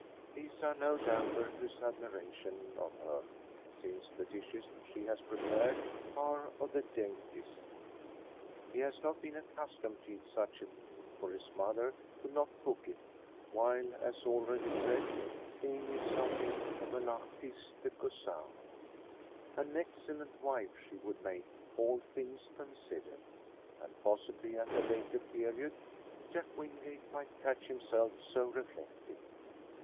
These are no damper to his admiration of her, since the dishes she has prepared are of the daintiest. He has not been accustomed to eat such a meal, for his mother could not cook it; while, as already said, Amy is something of an artiste de cuisine. An excellent wife she would make, all things considered; and possibly at a later period, Jack Wingate might catch himself so reflecting.